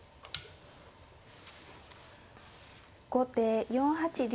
後手４八竜。